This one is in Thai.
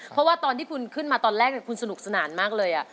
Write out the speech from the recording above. เพราะว่าตอนที่คุณขึ้นมาตอนแรกคุณสนุกสนานมากเลย